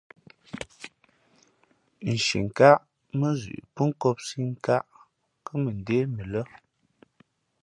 Nshienkáʼ mά zʉʼ pó nkōpsī nkāʼ kά mʉndé mʉ lά.